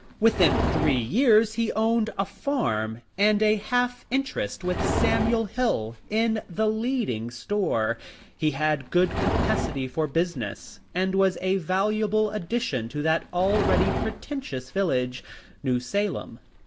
Within three years he owned a farm, and a half interest with Samuel Hill in the leading store. He had good capacity for business, and was a valuable addition to that already preten tious village — New Salem.